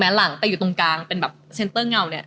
หลังแต่อยู่ตรงกลางเป็นแบบเซ็นเตอร์เงาเนี่ย